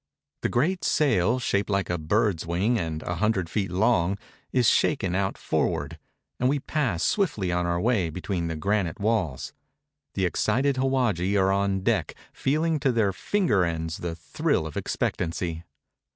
The great sail, shaped like a bird's wing, and a hundred feet long, is shaken out forward, and we pass swiftly on our way between the granite walls. The excited howadji are on deck feeHng to their finger ends the thrill of expectancy.